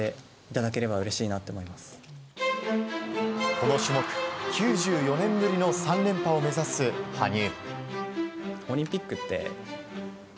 この種目９４年ぶりの３連覇を目指す羽生。